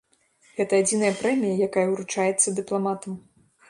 Гэта адзіная прэмія, якая ўручаецца дыпламатам.